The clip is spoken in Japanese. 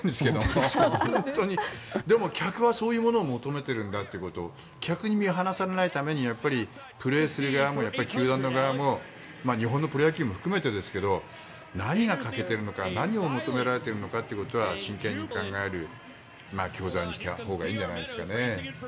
でも、客はそういうものを求めているんだということを客に見放されないためにはプレーする側も球団の側も日本のプロ野球も含めてですが何が欠けているのか何が求められているのかということは真剣に考える教材にしたほうがいいんじゃないですかね。